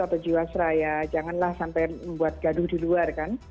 atau jiwasraya janganlah sampai membuat gaduh di luar kan